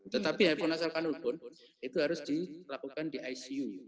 tetapi hivlo nasalkanul pun itu harus dilakukan di icu